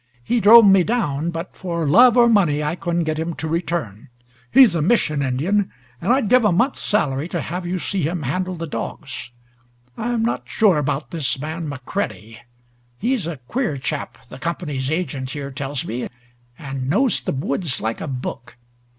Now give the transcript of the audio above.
He drove me down, but for love or money I couldn't get him to return. He's a Mission Indian, and I'd give a month's salary to have you see him handle the dogs. I'm not sure about this man McCready. He's a queer chap, the Company's agent here tells me, and knows the woods like a book.